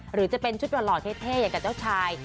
หรือจะเป็นชุดหล่อเท่อย่างกับเจ้าชาย